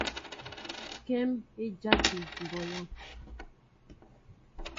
Kém é dyákí mɓolā.